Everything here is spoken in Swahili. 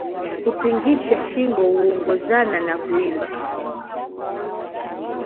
Kutingisha shingo huongozana na kuimba